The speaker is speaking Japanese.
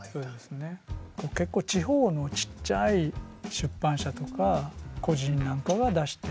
結構地方のちっちゃい出版社とか個人なんかが出してる。